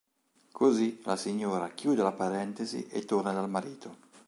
Così la signora chiude la parentesi e torna dal marito.